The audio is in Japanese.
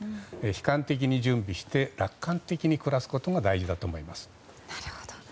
悲観的に準備して楽観的に暮らすことが大事だと思います。